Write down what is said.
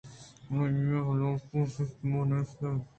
بلے آئی ءِ لاپ ءَ ہچ مان نیست اَت